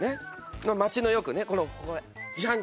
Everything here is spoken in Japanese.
街のよくねこれ自販機。